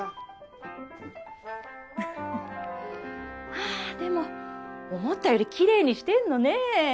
はあでも思ったよりきれいにしてるのねえ。